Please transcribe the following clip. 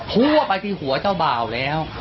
ทั่วไปที่หัวเจ้าบ่าวแล้ว